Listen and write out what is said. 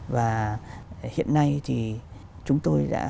và hiện nay thì chúng tôi đã